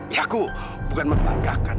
ya aku bukan membanggakan